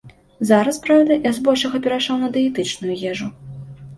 Зараз, праўда, я з большага перайшоў на дыетычную ежу.